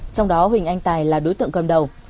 trong đó huỳnh anh tài là đối tượng cầm đầu